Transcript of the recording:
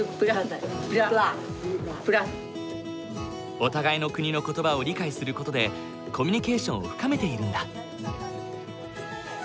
お互いの国の言葉を理解する事でコミュニケーションを深めているんだ。